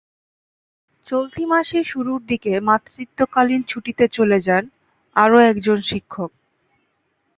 চলতি মাসের শুরুর দিকে মাতৃত্বকালীন ছুটিতে চলে যান আরও একজন শিক্ষক।